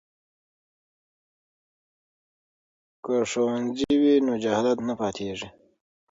که ښوونځی وي نو جهالت نه پاتیږي.